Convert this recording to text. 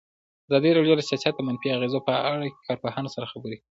ازادي راډیو د سیاست د منفي اغېزو په اړه له کارپوهانو سره خبرې کړي.